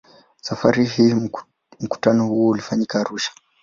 Safari hii mkutano huo ulifanyika Arusha.